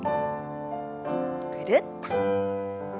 ぐるっと。